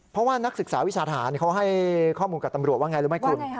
เพราะว่านักศึกษาวิชาทหารเขาให้ข้อมูลกับตำรวจว่าไงรู้ไหมคุณ